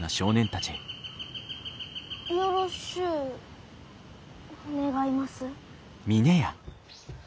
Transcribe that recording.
よろしゅう願います。